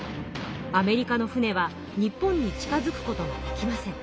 アメリカの船は日本に近づくことができません。